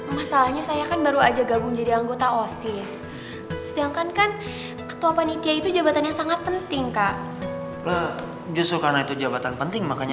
masalahnya saya kan baru aja jadi ketua panitia